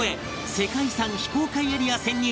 世界遺産非公開エリア潜入